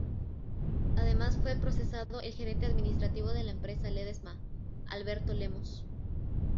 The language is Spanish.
Además fue procesado el gerente administrativo de la empresa Ledesma, Alberto Lemos.